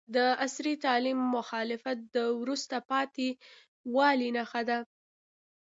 د عصري تعلیم مخالفت د وروسته پاتې والي نښه ده.